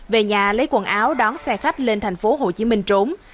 về nhà lấy quần áo đón xe khách lên tp hồ chí minh trốn